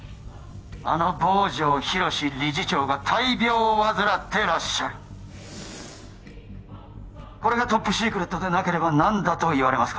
あの坊城寛理事長が大病を患ってらっしゃるこれがトップシークレットでなければ何だと言われますか！？